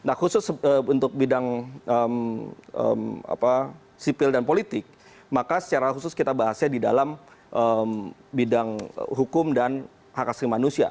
nah khusus untuk bidang sipil dan politik maka secara khusus kita bahasnya di dalam bidang hukum dan hak asli manusia